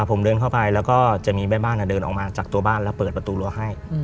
ผมเดินเข้าไปแล้วก็จะมีแม่บ้านเดินออกมาจากตัวบ้านแล้วเปิดประตูรั้วให้